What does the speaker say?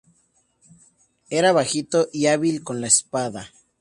Era bajito y hábil con la espada.